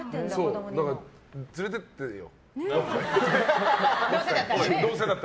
だから連れてってよ。